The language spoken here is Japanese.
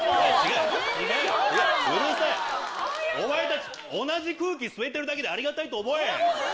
お前たち同じ空気吸えてるだけでありがたいと思え！